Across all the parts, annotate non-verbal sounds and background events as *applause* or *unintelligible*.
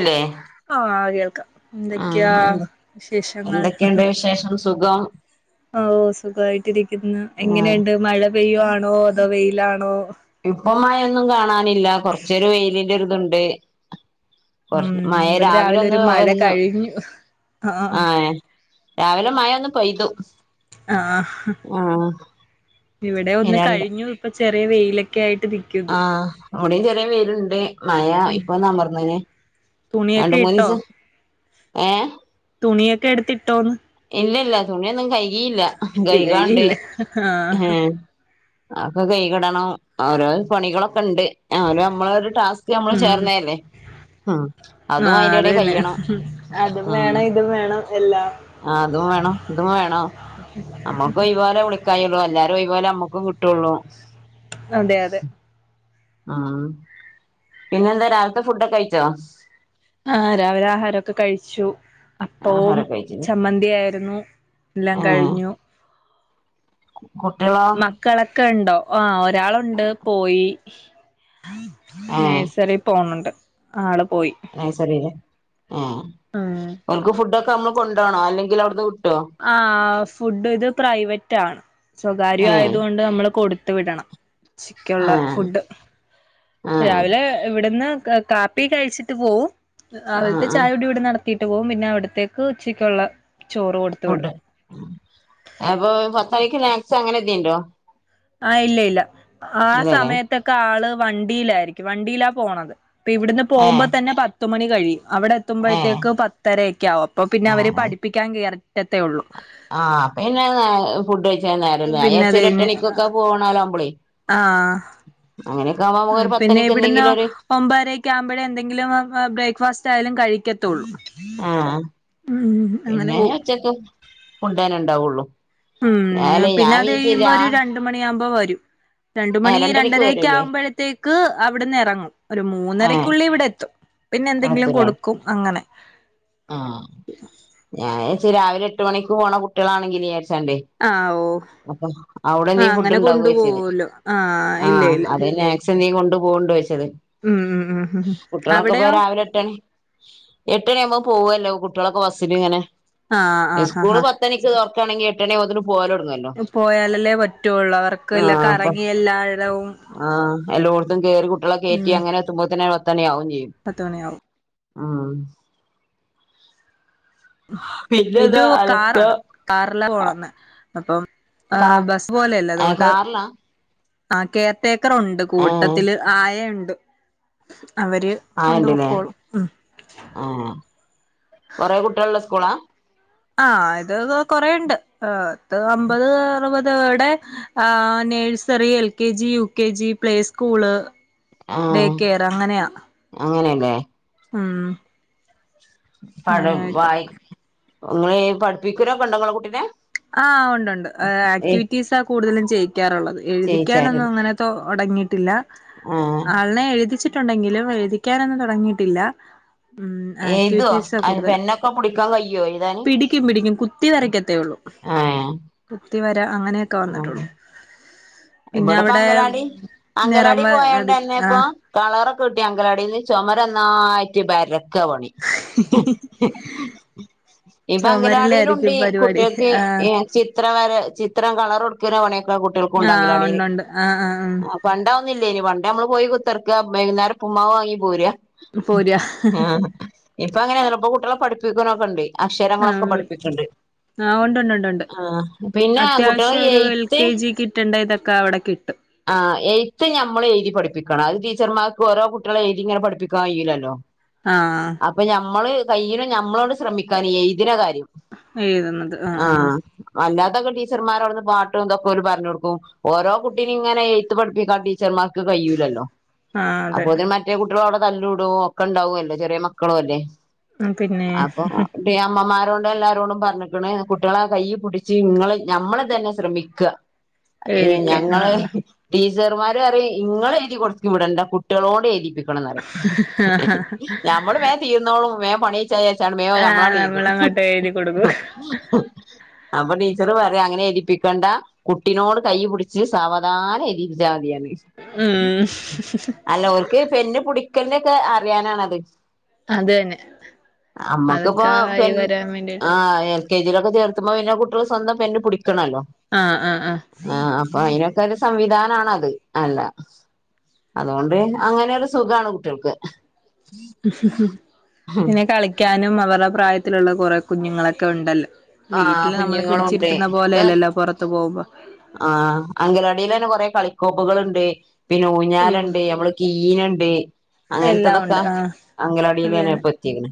ല്ലേ ആഹ കേൾക്കാം എന്തൊക്കെയാ ആഹ് എന്ത വിശേഷങ്ങൾ എന്തൊക്കെയുണ്ട് വിശേഷം സുഖം ഓഓ സുഖമായിട്ടിരിക്കുന്നു ആഹ് എങ്ങനെയുണ്ട് മഴ പെയ്യുവാണോ അതോ വെയിലാണോ? ഇപ്പമായൊന്നും കാണാനില്ല കൊറചെരു വെയിലിന്റെരിതുണ്ട്. കൊർ ഉം മഴ ഇവിടെ രാവിലെ രാവിലൊന്ന് ഒരു മഴ വന്ന് കഴിഞ്ഞു ആഹ് ആ ഏഹ് രാവിലെ മയന്ന് പെയ്തു ആഹ് ആഹ് ഇവിടെ ഒന്ന് രണ്ട് കഴിഞ്ഞു ഇപ്പ ചെറിയ വെയിലൊക്കെ ആയിട്ട് നി ആഹ് അവിടെയും ചെറിയ വെയിലുണ്ട് മയാ ഉം ഇപ്പൊന്നമർനീനു രണ്ട് തുണിയൊക്കെ ഇട്ടോ മൂന്നിസ ഏഹ് തുണിയൊക്കെ എടുത്തിട്ടോന്ന്? ഇല്ല ഇല്ല തുണിയൊന്നും കൈകിയില്ല കൈകാണ്ട് കഴിയില്ല ആഹ് ഏഹ് അപ്പൊ കൈകിടണം ഓരോരോ പണികളൊക്കെണ്ട് ആ നമ്മള ഒരു ടാസ്ക് നമ്മള് ഉം ചേർന്നല്ലേ ആഹ് ആഹ് അതന്നെ അതും വേണം ഇതും വേണം എല്ലാം ആഹ് അതും വേണം ഇതും വേണം നമ്മുക്കൊയിവൂലെ വിളിക്കായള്ളൂ എല്ലാരയിവൂലെ നമ്മുക്കും കിട്ടുള്ളൂ അതെ അതെ ആഹ് പിന്നെന്താ രാവിലത്തെ ഫുഡൊക്കെ കഴിച്ചോ? ആഹ് രാവില ആഹാരക്കെ കഴിച്ചു അപ്പോം ആഹാരൊക്കെ കഴിച്ചില്ലേ ചമ്മന്തിയായിരുന്നു. എല്ലാം ഏ കഴിഞ്ഞു. കുട്ട്യളോ? കളക്കെ ഉണ്ടോ ആഹ് ഒരാളുണ്ട് പോയി ഏ നേഴ്സറി പോണ്ണ്ട് ആള് പോയി നഴ്സറില് ഏഹ് ആഹ് ഓല്ക് ഫുഡോക്കെ നമ്മള് കൊണ്ടോണോ അല്ലെങ്കിൽ അവിടുന്നു ആഹ് ഫുഡ് ഇത് പ്രൈവറ്റ് ആണ് സ്വകാര്യ ഏ ആയതുകൊണ്ട് നമ്മള് കൊടുതു വിടണം ആ ച്ചക്കുള്ള ഫുഡ് ആ രാവിലെ ഇവിടുന്ന് കാപ്പി കഴിച്ചിട്ട് പോവും ആ രാവിലത്തെ ആ ചായടി ഇവിടെ നട ത്തിട്ട് പോകും പിന്നെ അവിടത്തേക്ക് ഉച്ചക്കുള്ള ചോറ് കൊടു അപ്പൊ പത്തയ്ക്ക് സ്നാക്സ് അങ്ങനെന്തേണ്ടോ? ആഹ് ഇല്ല ഇല്ല ആ സമയത്തൊക്കെ ആള് വണ്ടിയിലായിരിക്കും വണ്ടിയിലാ പോണത് ഇപ്പൊ ഇവിടുന്ന് ഏ പോകുമ്പോ തന്നെ പത്തുമണി കഴിയും അവിടെ ഏ ത്തുമ്പോഴത്തേക്ക് പത്തരയൊക്കെ ആകും അപ്പൊ പിന്നെ ആ അവര് പഠിപ്പിക്കാൻ കേർകറ്റത്തേ ഉള്ളൂ. ആഹ് അപ്പിന്നെ ഫുഡ് കഴിചാൻ നേരല്ല പിന്നെ അത് *unintelligible* കഴിഞ്ഞ് ഒരെട്ടണിക്കൊക്കെ പോണാലാവുമ്പളേ ആഹ് അങ്ങനെക്കെ ആവുമ്പോ നമുക്കൊരു പത്തണിക്ക് എന്തെങ്കിലൊരു ഒമ്പരേകാവുമ്പഴേ എന്തെങ്കിലും ബ്രേക്ക്ഫാസ്റ്റ് ആയാലും കഴിക്കത്തുള്ളൂ ആഹ് ഉം അങ്ങനെ പിന്നെ പോവും ഉച്ചക്ക് കൊണ്ടോയന്നെണ്ടാവുള്ളു ഉം പിന്നെ അതയ്യുമ്പോ ഒരു രണ്ടമണിയകുമ്പോ വരും രണ്ട് ഏഹ് മണി രണ്ടണിക്ക് രണ്ടരെക്ക വരൂല്ലേ ആവുമ്പഴത്തേക്ക് അവിടുന്ന് എറങ്ങും ഒരു ഏഹ് മൂന്നരക്കുള്ളി ഇവിടെ എത്തും. പിന്നെ എന്തെങ്കിലും അവിടെത്തൂലേ കൊടുക്കും അങ്ങനെ ആഹ് ഞാര്ച്ച് രാവിലെ എട്ട് മണിക്ക് പോണ കുട്ടികളാണെങ്കില് ചാരിച്ചാണ്ട്‌ ആഹ് ഓ അപ്പൊ അവിടെ ആ ന്തേലും ഫുഡ് അങ്ങനെ കൊണ്ടു ഉണ്ടാവോയ്ച്ചത് പോവല്ലോ ആ ഇല്ല ആഹ് ഇല്ല അതെന്നെ ച്ച് നീ കൊണ്ടു പോവ്ണ്ടോയ്ച്ചത് ഉം ഉം ഉം ഉം കുട്ട്യളൊക്കെ ഇപ്പൊ അവിടെയോ രാവിലെ എട്ടണി എട്ടണി ആകുമ്പോ പോവല്ലോ കുട്ടികളൊക്കെ ബസ്സിലങ്ങനെ ആ ആ സ്കൂള് ആ ആ പ തണിക്ക് തുറക്കണെങ്കിൽ എട്ടണി ആവുമ്പത്തിന് പോവലടൊങ്ങോലോ. ആഹ് പോയാലല്ലേ പറ്റുള്ളൂ അവർക്ക് വല്ല അപ്പൊ കറങ്ങി എല്ലായിടവും ആഹ് എല്ലോടത്തും കേറി ളെ കേറ്റി ഉം അങ്ങനെത്തുമ്പതനെ പത്തണിയാകും ചെയ്യും. പത്ത് മണിയാവും ഉം ഇത് പിന്നെതാ അലക്ക കാറാണ് കാറല്ല പോണന്ന് അപ്പം കാ ആഹ് ബസ് പോലെല്ല ഏഹ് അതുകൊണ്ട് കാറിലാ ആ കെയർടേക്കറൊണ്ട് ഏഹ് കൂട്ടത്തില് ആയേണ്ട് അവര് ആയണ്ട്ല്ലേ കൊണ്ടുപൊക്കോളും ഉം ആഹ് കൊറെ കുട്ട്യളൊള്ള സ്കൂളാ ആ ഇത് കൊറെണ്ട് ഏ ത് അമ്പത് അറുപത്ടെ ആ nursery L K G, U K G, play school day ആഹ് കെയറ് അങ്ങനെയാ അങ്ങനെയല്ലേ ഉം പഠ് അങ്ങനെയായിട്ട് വായി ഇങ്ങളി പഠിപ്പിക്കലൊക്കെ ഇങ്ങള കുട്ടീനെ. ആഹ് ഒണ്ട് ഒണ്ട് ആക്ടിവിറ്റീസാ കൂടുതലും ചെയിക്കാറൊള്ളത് എഴുതിക്കാനൊന്നും ചെയ്യിച്ചാരത് അങ്ങനെ തൊടങ്ങിട്ടില്ല ആഹ് ആൾനെ എഴുതിച് ട്ടൊണ്ടെങ്കിലും എഴുതിക്കാനൊന്നും തൊടങ്ങിട്ടില്ല ഉം എഴുതുവോ ആക്ടിവിറ്റീസാ അയിന് കൂടുതൽ പെന്നൊക്കെ പിടിക്കാൻ കയ്യോ എഴുതാന് പിടിക്കും പിടിക്കും കുത്തി വരക്കത്തേ ഉള്ളൂ. ഏഹ് കുത്തിവര അങ്ങനെയൊക്കെ വന്ന്ട്ടുള്ളൂ. ഇവിടപ്പ അങ്കലാടി നിറം അങ്കലാടി വ അടി പോയോണ്ട്ന്നെ ആ ഇപ്പൊ കളറൊക്കെ ട്ടി അങ്കലാടിന്ന് ചൊമരന്നായിറ്റ് ബരക്കാ പണി. *unintelligible* ഇപ്പൊ അംഗലവാടിലുണ്ട് ചുമരിലായിരിക്കും പരിപാടി കുട്ട്യേക്ക് ആ ഏ ചി ചിത്ര വര ചിത്രം കളറൊട്ക്കല പണിക്കെ ആ കുട്ട്യേൾക്കുണ്ടങ്കലവാടീല്. ഉണ്ടുണ്ട് ആ ആ പണ്ടവുന്നില്ലേനി പണ്ടമ്മള് പോയി കുത്തിർക്കാ ബയ്കുന്നേരം ഉപ്പുമ്മാവാങ്ങി പോരാ. പോരാ ആഹ് ഇപ്പ അങ്ങനല്ല ഇപ്പോ കുട്ടിളെ പഠിപ്പിക്കനൊക്കെണ്ട്. അക്ഷരങ്ങളൊക്കെ പഠിപ്പിക്ക്ണ്ട്. ആഹ് ഒണ്ട് ഒണ്ട് ഒണ്ട് കുട്ടികളെ അത്യാവശ്യൊരു എൽ എയ്ത്ത് കെ ജി ക് കിട്ടണ്ട ഇതക്ക അവിടെ കിട്ടും. ആഹ് എയ്ത്ത് ഞമ്മള് എയ്തി പഠിപ്പിക്കണ അത് ടീച്ചർമാർക്ക് ഓരോ കുട്ടീളെ എയ്തി ഇങ്ങനെ പഠിപ്പിക്കായൂലല്ലോ. ആഹ് അപം ഞമ്മള് കയ്യിണെ ഞമ്മളോട് ശ്രമിക്കാന് ഈ എയ്ത്ണെ കാര്യം. എഴുതുന്നത് ആ ആഹ് അല്ലാത്തൊക്കെ ടീച്ചർമാരവ്ടുന്ന് പാട്ടും തൊക്കെ ഓര് പറഞ്ഞൊടുക്കു ഓരോ കുട്ടീനേം ഇങ്ങനെ എയ്ത്ത് പഠിപ്പിക്കാ ടീച്ചർമാർക്ക് കയ്യൂലല്ലോ ആ ആ അതെ അപ്പൊ ത് മ മറ്റേ കുട്ടിള അടെ തല്ലൂടു ഒക്കെ ഉണ്ടാവുല്ലോ ചെറിയ മക്കളു അല്ലേ പിന്നെ അപ്പൊ അമ്മമാരോടെ എല്ലാരോടും പർഞ്ഞ്ക്കണ് കുട്ട്യേളെ കയ്യ് പുടിച്ച് ഇങ്ങള് ഞമ്മള് തന്നെ ശ്രമിക്ക. ഏയ് എഴുതിക്കാൻ ആ ഞങ്ങള് ടീച്ചർമാര് പറയു ഇങ്ങള് എഴുതി കൊട്ത്ത് വിടണ്ട കുട്ടിളോട് എയ്തിപ്പി ആ *unintelligible* ഞമ്മള് വേം തീർന്നോളും വേം പണി ചെ ചാണ്ട് വേം ആ ഞമ്മളടണ്ട് എയ്തു. നമ്മളങ്ങോട്ട് എഴുതി കൊടുക്കും അപ്പൊ ടീച്ചറ് പറയൊ അങ്ങനെ എയ്തിപ്പിക്കണ്ട കുട്ടിനോട് കൈ പുടിച്ച് സാവധാന എനിപ്പിച്ചാതീന്ന് ഉം ഓൽക്ക് പെന്ന് പുടിക്കണ്ടിയൊക്കെ അറിയാനാണത്. അത് തന്നെ അമ്മക്ക്പ്പൊ അതൊക്കെ ആയി പെൺ വരാൻ വേണ്ടിട്ട് ആഹ് എൻ കെ ജി ലൊക്കെ ചേർതുമ്പോ പിന്നെ കുട്ടിള് സ്വന്തം പെന്ന് പുടിക്കണല്ലോ. ആഹ് ആഹ് ആഹ് ആ അപ്പൊ അയിനൊക്കൊരു സംവിധാനണത് അല്ല അതുകൊണ്ട് അങ്ങനെയൊരു സുഖാണ് കുട്ട്യ ൾക്ക് പിന്നെ കളിക്കാനും അവർടെ പ്രായത്തിലുള്ള കുറെ കുഞ്ഞുങ്ങളൊക്കെ ഉണ്ടല്ലോ ആഹ് വീട്ടില് നമ്മള് കുഞ്ഞുങ്ങളുണ്ട് പിടിച്ചിരുത്തുന്ന ഇപ്പ പോലെയല്ലല്ലോ പൊറത്ത് പോമ്പോ ആഹ് അങ്കലാടിലന്നെ കൊറെ കളിക്കോപ്പുകള്ണ്ട് പിന്നെ ഉം ഊഞ്ഞാലൊണ്ട് അമ്മള് കീനൊണ്ട് എല്ലാം അങ്ങൻത്തതൊക്ക ഉണ്ട് ആഹ് അത് അംഗലവാടിലന്നെ തന്നെ ഇപ്പൊ െ *unintelligible*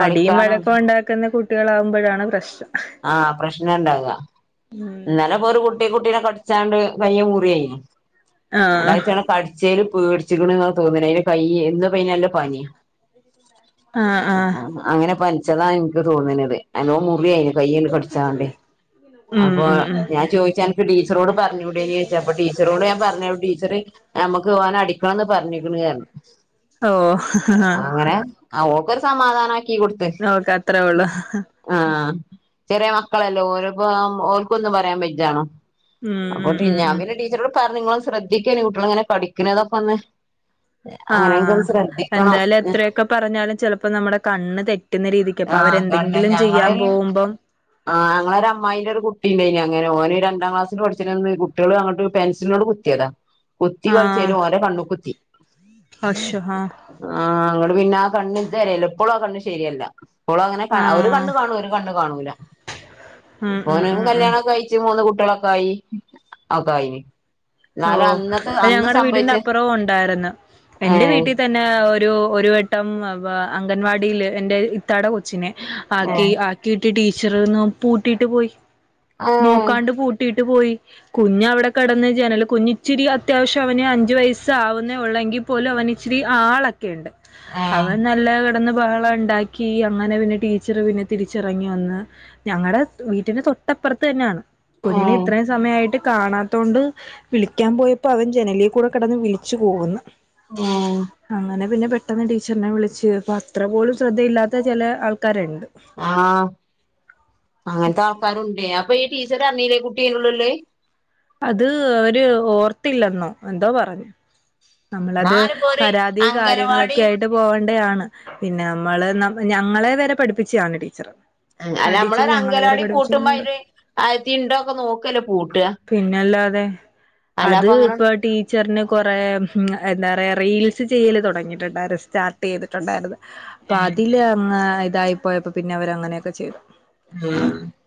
അടിയും വഴക്കും ഒണ്ടാക്ക്ന്ന കുട്ട്യോളാകുമ്പോഴാണ് പ്രശ്നം. ആഹ് പ്രശ്നൊണ്ടാക്ക ഉം ഇന്നലെ പ്പൊര് കുട്ടി കുട്ടീനെ കടിച്ചാണ്ട് കയ്യ് മുറിയി ആഹ് അതായ് ചാ കടിച്ചേല് പേട്ച്ച്ക്ക്ണ് ന്ന തോന്ന്ണെ അയിന്റെ കയ്യ് ന്ന് ഇപ്പ നല്ല പനിം. ിക്ക *unintelligible* അങ്ങനെ പനിച്ചതാ എനിക്ക് തോന്നണത് നല്ലോംമുറിയയിന് കയ്യന്ന് കടിച്ചണ്ടേ ഉം അപ്പൊ ഉം ഉം ഞാൻ ചോദിച്ചാ അനക്ക് ടീച്ചറോട് പറഞ്ഞൂടേ ചോദിച്ചാ അപ്പ ടീച്ചറോട് ഞാൻ പറഞ്ഞോള അപ്പ ടീച്ചറ് നമ്മക്ക് ഓനടിക്കണംന്ന് പറഞ്ഞിക്ക്ണ് ഓ ന്ന് പർ ഞ്ഞ് ആ ഓക്കൊ ര്യസമാധാനമാക്കി കൊടുത്ത് ഓക്ക് അത്രേ ഉള്ളൂ ആഹ് ചെറിയ മക്കളല്ലെഓരെപ്പം ഓർക്കൊന്നും പറയാൻ ബജ ജ ഉം അപ്പൊ ഉം ഉം ഞാൻ ഉം പിന്നെ ടീച്ചറോട് പറഞ്ഞു ങ്ങ ളൊന്ന്ശ്രദ്ധിക്ക ണ്ടികുട്ടികളിങ്ങനെ പഠിക്കണക്കൊന്ന് ആഹ എന്തായാലും എത്രയൊക്കെ പറഞ്ഞാലും ചിലപ്പോ നമ്മുടെ കണ്ണ് തെറ്റുന്ന രീതിക്ക് അപ്പൊ ആഹ് അവരെന്തെങ്കിലും ചെയ്യാൻ പോകുമ്പം ആങ്ങളടെ അമായിൻ്റെ ഒരു കുട്ടി ഉണ്ട് ഇനി ആ ഞങ്ങളൊരമ്മായിൻ്റൊരു കുട്ടിണ്ടായിനി ഓന് ഒരു രണ്ടാം ക്ലാസിൽ പടിച്ച് ണന്ന് കുട്ടികൾ അങ്ങോട്ട് പെൻസിലോണ്ട് കുത്തി എടാ കുത്തികളിച്ചയിന് ആഹ് ഓൻ്റെ കണ്ണ് കുത്തി അശോ ആഹ് ആഹ ഇങ്ങട് പിന്നെ ആ കണ്ണ് ഇ തരല്ല ഇപ്പളും ആ കണ്ണ് ശരിയല്ല ഇപ്പോളും അങ്ങനെ ക ഒരു ആഹ് കണ്ണ് കാണൂ ഒരു കണ്ണ് കാണൂല ഉം ഉം ഓനും ഉം ഉം കല്യാണക്കെ കയിച്ച് മൂന്ന് കുട്ടികളൊക്കെ ആയി ഒക്കെ ആയിന് ഓ എന്നാലും അന്നത്തെ അത് അന്ന് ഞങ്ങടെ വീടിന്റെ സംഭവിച്ച അപ്പുറവും ഉണ്ടായിരുന്ന് എന്റെ ഏഹ് വീട്ടിൽ തന് ന്നെ ഒരു ഒരു വട്ടം അംഗൻവാടിയില് എന്റെ ഇത്താടെ കൊച്ചിനെ ആക്കി ഏഹ് ആക്കിയിട്ട് ടീച്ചർന്ന് പൂട്ടിയിട്ട് പോയി ഏഹ് നോക്കാണ്ട് പൂട്ടിട്ട് ട്ട് പോയി കുഞ്ഞ അവിടെ കടന്ന് ജനൽ കുഞ്ഞിച്ചിരി അത്യാവശ്യം അവന് അഞ്ചു വയസ്സ ആവുന്ന ഉള്ളെങ്കിൽ പോലും അവന് ഇച്ചിരി ആളൊക്കെയുണ്ട് ഏഹ് അവനത് എല്ലാ കിടന്ന് ബഹളം ഉണ്ടാക്കി അങ്ങനെ പിന്നെ ടീച്ചർ പിന്നെ തിരിച്ചിറങ്ങി വന്ന് ഞങ്ങടെ വീട്ടിന്റെ തൊട്ടപ്പുറത്ത് തന്നെയാണ് കുഞ്ഞിനെ ഏഹ് ഇത്രയും സമയായിട്ട് കാണാത്തതൊണ്ട്- വിളിക്കാൻ പോയപ്പോ അവൻ ജനലിൽ കൂടെ കിടന്ന് വിളിച്ചു കൂവുന്നു ആഹ *unintelligible* അങ്ങനെ പിന്നെ പെട്ടെന്ന് ടീച്ചറിനെ വിളിച്ചു അപ്പ അത്ര പോലും ശ്രദ്ധയില്ലാത്ത ചില ആൾക്കാരുണ്ട് ആഹ അങ്ങനത്തെ ആൾക്കാരുണ്ടേ അപ്പൊ ഈ ടീച്ചർ അറിഞ്ഞീല്ലേ കുട്ടിഅയ്ൻ്റുള്ളിൽ അത് അവര് ഓർത്തില്ലെന്നോ എന്തോ പറഞ്ഞു നമ്മളത് ഞാനിപ്പോ ഒരു പരാതി അംഗനവാടി കാര്യങ്ങളൊക്കെ ആയിട്ട് എന്ന് പോകേണ്ടതാണ് പിന്നെ നമ്മള് ഞങ്ങളെ വരെ പഠിപ്പിച്ചാണ് ടീച്ചർ അല്ല നമ്മളൊരു ഞങ്ങളെ വരെ അങ്കലവാടി പൂട്ടുമ്പോ പഠിപ്പിച്ചന്നണ്ട് അരി ഉണ്ടോ ഒക്കെ നോക്കല്ലേ പൂട്ട പിന്നല്ലാതെ അത് അങ്ങനെ ഇപ്പൊ ടീ ക്ച്ചറിന് കൊറെ എന്താ റയറീൽസ് ചെയ്യൽ തുടങ്ങിയിട്ടുണ്ടായിരുന്നു സ്റ്റാർട്ട് ചെയ്തിട്ടുണ്ടായിരുന്നു പാ ഏഹ് തില് ഇതായി പോയപ്പോ പിന്നെ അവര അങ്ങനെയൊക്കെ ചെയ്തു ഉം *inaudible*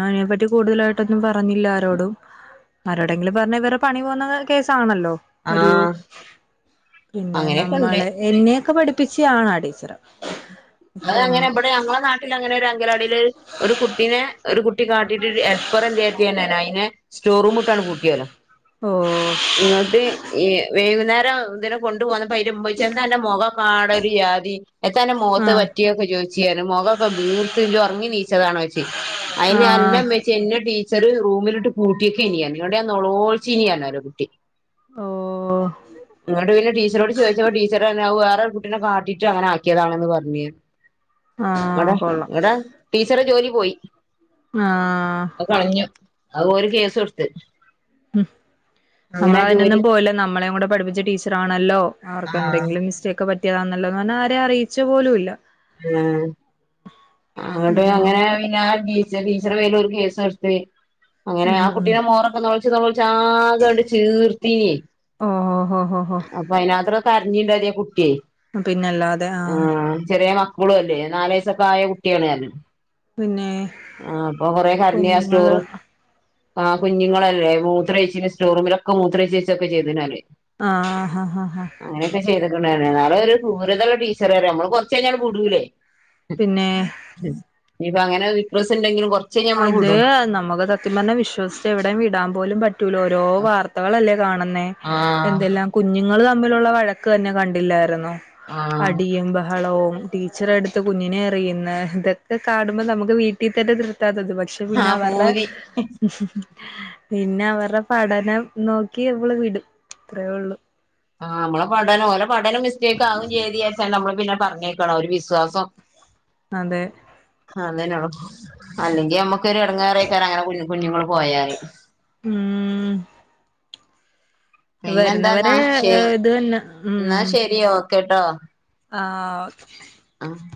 ആ അയി നെപ്പറ്റി കൂടുതലായിട്ടൊന്നും പറഞ്ഞില്ല ആരോടും ആരോടെങ്കിലും പറഞ്ഞ ഇവറെ പണി പോകുന്ന കേസാണല്ലോ ഒരു ആഹ് പിന്നെ അങ്ങനെയൊക്കെ ഉണ്ട് നമ്മള് എന്നെയൊക്കെ പഠിപ്പിച്ചാളാണ് ടീച്ചർ ഉ അ അതങ്ങനെ ഇവടെ ഞങ്ങളെ നാട്ടിൽ അങ്ങനെ ലാ ഒരു കുട്ടിനെ ഒരു കുട്ടി കാട്ടിട്ട് അൽപ്പറം എന്ത് ചെയ അയിെ *unintelligible* സ്റ്റോർറൂം ഇട്ടാണ് പൂട്ടിയാല *inaudible* ഓ ന്നിട്ട് എഈ വൈകുന്നേരം ഇതിനെ കൊണ്ടു പൊന്നപ്പോ അതിൻ്റെ ഉമ്മച്ചി എന്ധൻ്റെ മുഖം പാടൊരിയാ തി എന്താണ് ൻ്റെ മുഖത്ത് ആഹ് പറ്റിയൊക്കെ ചോദിച്ചിഞാൻ മുഖമൊക്കെ വീർത്ത് ഉറങ്ങി നീച്ചതണോ ചോയിച്ച് അയിന് ആഹ് എന്നമേൽ എന്നെ ടീച്ചർ റൂമിലിട്ട് പൂട്ടിയിട്ട് ഇനിയാ ഇവിടെ നളോഴചീ ഇനിയാനോല് കുട്ടി ഓ ഇങ്ങോട്ട് പിന്നെ ടീച്ചറോട് ചോദിച്ചപ്പോ ടീച്ചർ പറഞ്ഞി അത് വേറെ എന്നെ കാട്ടിട്ട് അങ്ങനെ ആക്കിയതാണെന്ന് പറഞ്ഞര് ടെ ആഹ് കൊള്ളാം ങ്ങടെ ടീച്ചറെ ജോലി പോയി ആ *inaudible* കളഞ്ഞു അത് ഓല് കേസ് കൊടുത്ത് മ *unintelligible* അങ്ങനെ നമ്മള ആ അതിനൊന്ന ജോലി പോല്ലേ നമ്മളെ കൂടെ പഠിപ്പിച്ച ടീച്ചറാണല്ലോ അവർക്ക് ആഹ് എന്തെങ്കിലും മിസ്റ്റേക്കെ പറ്റ ന്നല്ലോന്ന് പറഞ്ഞാ ആരെ അറിയിച്ച പോലും ഇല്ല ഉം *unintelligible* അങ്ങോട്ട് അങ്ങനെ അങ്ങനെയൊക്കെ പിന്നെ ടീച്ചാ ടീച്ചറ പേല ഒരു കേസ് എടുത്ത് അങ്ങനെ ആ ഉം ഉം കുട്ടീടെ മോറൊക്കെ നൊളച്ച് നൊളച്ച് ആകണ്ട് ചീർത്തി ഓഹോ ഹൊ അപ്പൊ അതിനത്ര കരഞ്ഞിണ്ട അതേ കുട്ട്യേ പിന്നെ അല്ലാതെ ആ ആ ചെറിയ മക്കളും അല്ലേ നാല വയസൊക്കെ ആയ കുട്ടിയാണ് കല് പിന്നെ ആഹ് അപ്പൊ കൊറെ കരഞ്ഞ് അ കുഞ്ഞുങ്ങള് സ്റ്റോറ് ആഹ് കുഞ്ഞുങ്ങളല്ലേ മൂത്രയിച്ചിന് സ്റ്റോറൂമിലൊക്കെ മൂത്രഴച്ചൊക്കെ ചെയ്ത്ണിറിയ ആഹ് ഹ ഹാ അങ്ങനെക്കെ ചെയ്ത്ക്ക്ണർഞ്ഞേ നാളെ ഒരു ദൂരതള്ള ടീച്ചർ ആല്ലേ നമ്മള് കൊറച്ചയിഞ്ഞാൽ വിടുലേ പിന്നെ ഇപ്പൊ അങ്ങനെ വിക്രസ് ഇണ്ടെങ്കിലും കൊറ അത് നമുക്ക് സത്യം പറഞ്ഞ വിശ്വസിിച്ചച്ച് എവിടയും വിടാൻ പോലും പറ്റൂല ഓരോ വാർ ത്തകളല്ലേ കാണുന്നേ ആഹ് കുഞ്ഞുങ്ങള് തമ്മിലുള്ള വഴക്ക് തന്നെ കണ്ടില്ലായിര്ന്നോ ആഹ് അടിയും ബ ളോവും ടീച്ചറെട്ത്ത് കുഞ്ഞിനെ എറിയ്ന്ന് ഇതൊക്കെ കാണുമ്പോ നമുക്ക് വീട്ടിൽ തന്നെ നിർ ത്താ തൊന്ന് പക്ഷെ പിന്നെ ആഹ് അവര്ടെ പൂതി പിന്നെ അവര്ടെ പഠനം നോക്കി നമ്മള് വിടും അത്രേ ഒള്ളൂ ആഹ് നമ്മളെ പഠനം ഓലെ പഠന മിസ്റ്റേക്ക് ആകും ചെയര്തച്ച നമ്മള് പിന്നെ പറഞ്ഞേക്ക്ണ ഒരു വിശ്വാസം അതെ അതനെയള്ളു അല്ലെങ്കിൽ നമ്മുക്കൊരു എടങ്ങെറക്കര അങ്ങനെ കു കുഞ്ഞുങ്ങൾ പോയല് ഉം പിന്നെന്താന്നാ വരുന്നവരെ ശരി ഇത് തന്നെ ന്നാ ശെരി ഓക്കെ ട്ടോ ആഹ് അഹ്